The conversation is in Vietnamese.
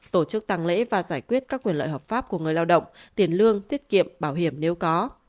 tổ chức tăng lễ và giải quyết các quyền lợi hợp pháp của người lao động tiền lương tiết kiệm bảo hiểm nếu có